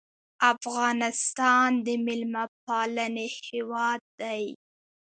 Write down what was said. افغانستان د میلمه پالنې هیواد دی